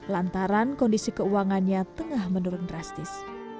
lantaran kondisi keuangannya tengah menurun drastis